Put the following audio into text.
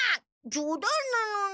じょうだんなのに。